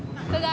ke gala sepuluh